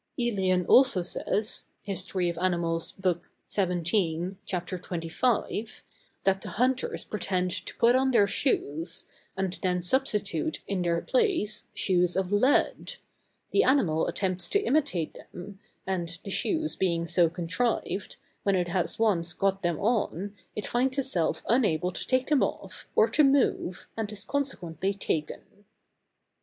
Ælian also says, Hist. Anim. B. xvii. c. 25, that the hunters pretend to put on their shoes, and then substitute, in their place, shoes of lead; the animal attempts to imitate them, and, the shoes being so contrived, when it has once got them on, it finds itself unable to take them off, or to move, and is consequently taken.